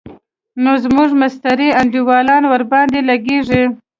نو زموږ مستري انډيوالان ورباندې لګېږي.